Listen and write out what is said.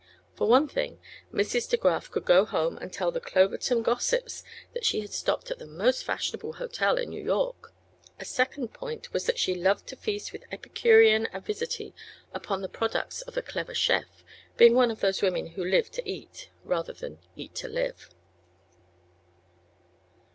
For one thing, Mrs. De Graf could go home and tell her Cloverton gossips that she had stopped at the most "fashionable" hotel in New York; a second point was that she loved to feast with epicurean avidity upon the products of a clever chef, being one of those women who live to eat, rather than eat to live.